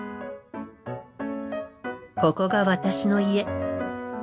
ここが私の家。